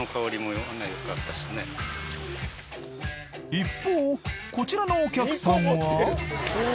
一方こちらのお客さんは。